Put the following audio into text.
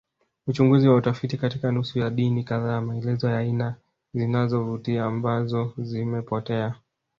Uchunguzi wa utafiti katika nusu ya dini kadhaa maelezo ya aina zinazovutia ambazo zimepotea